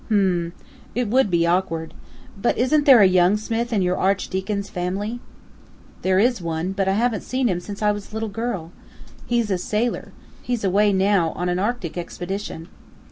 "H'm! It would be awkward. But isn't there a young Smith in your Archdeacon's family?" "There is one, but I haven't seen him since I was a little girl. He's a sailor. He's away now on an Arctic expedition."